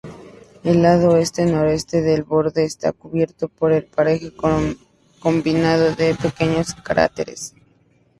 El lado este-noreste del borde está cubierto por un pareja combinada de pequeños cráteres.